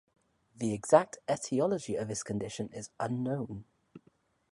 The exact etiology of this condition is unknown.